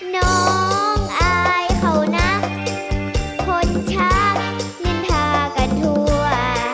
น้องอายเขานะคนชักนินทากันทั่ว